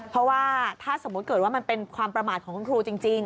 เพราะว่าถ้าสมมุติเกิดว่ามันเป็นความประมาทของคุณครูจริง